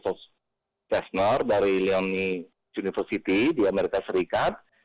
ketua pesos tesner dari leone university di amerika serikat